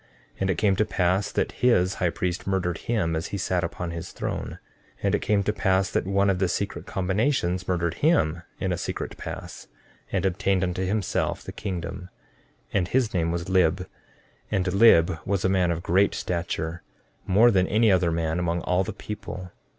14:9 And it came to pass that his high priest murdered him as he sat upon his throne. 14:10 And it came to pass that one of the secret combinations murdered him in a secret pass, and obtained unto himself the kingdom; and his name was Lib; and Lib was a man of great stature, more than any other man among all the people.